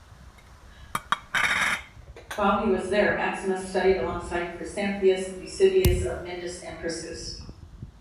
While he was there, Maximus studied alongside Chrysanthius, Eusebius of Myndus, and Priscus.